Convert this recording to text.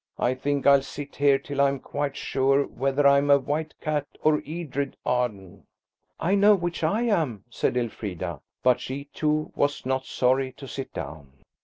I think I'll sit here till I'm quite sure whether I'm a white cat or Edred Arden." "I know which I am," said Elfrida; but she, too, was not sorry to sit down.